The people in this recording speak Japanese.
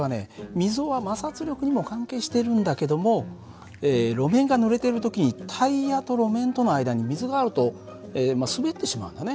溝は摩擦力にも関係してるんだけども路面がぬれてる時にタイヤと路面との間に水があると滑ってしまうんだね。